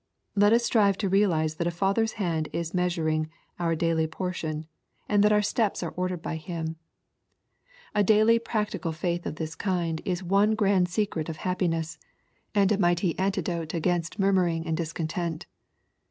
Let us strive to realize that a Father's hand is measuring out our daily portion, and that our steps are 62 sxposrro&Y thoughtsl ordered by Him. A daily practical faith of this kiad, is one grand secret of happiuess, and a mighty antidote against monnming and discontent.